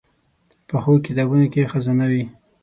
پخو کتابونو کې خزانه وي